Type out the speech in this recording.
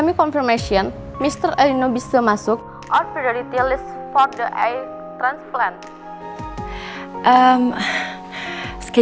mengapa itu ancheing lagu bokhose pan soft title